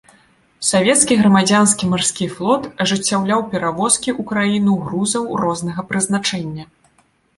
Савецкі грамадзянскі марскі флот ажыццяўляў перавозкі ў краіну грузаў рознага прызначэння.